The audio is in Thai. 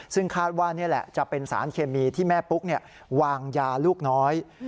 ซึ่งคาดว่านี่แหละจะเป็นสารเคมีที่แม่ปุ๊กวางยาลูกน้อย